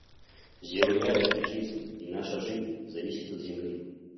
Земля — это жизнь, и наша жизнь зависит от земли.